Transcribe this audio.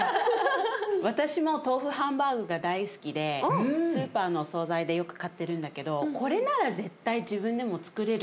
私も豆腐ハンバーグが大好きでスーパーのお総菜でよく買ってるんだけどこれなら絶対自分でもつくれる。